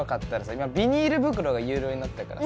今ビニール袋が有料になったからさ